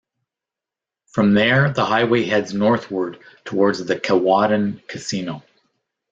From there, the highway heads northward towards the Kewadin Casino.